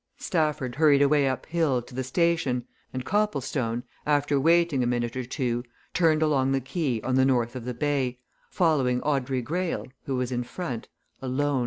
Stafford hurried away up hill to the station, and Copplestone, after waiting a minute or two, turned along the quay on the north of the bay following Audrey Greyle, who was in front, alone.